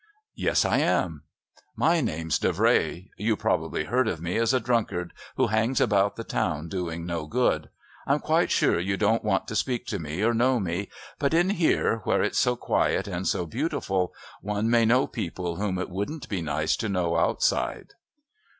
"Yes, I am." "My name's Davray. You probably heard of me as a drunkard who hangs about the town doing no good. I'm quite sure you don't want to speak to me or know me, but in here, where it's so quiet and so beautiful, one may know people whom it wouldn't be nice to know outside."